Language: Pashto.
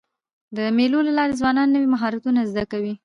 د مېلو له لاري ځوانان نوي مهارتونه زده کوي.